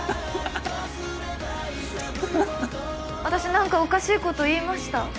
私何かおかしいこと言いました？